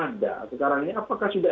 tangsi yang ada sekarang ini apakah sudah